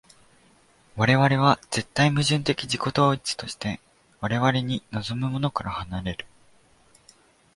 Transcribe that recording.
我々は絶対矛盾的自己同一として我々に臨むものから離れる。